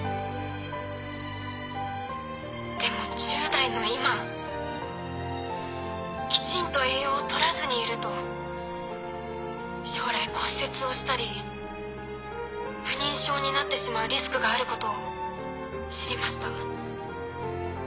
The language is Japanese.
でも１０代の今きちんと栄養を取らずにいると将来骨折をしたり不妊症になってしまうリスクがあることを知りました。